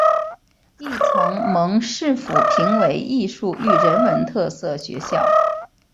亦曾蒙市府评为艺术与人文特色学校。